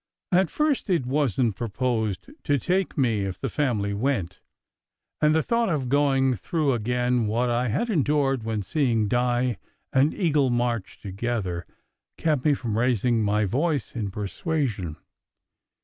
At first it wasn t proposed to take me if the family went, and the thought of going through again what I had endured when seeing Di and Eagle March together, kept me from raising my voice in persuasion.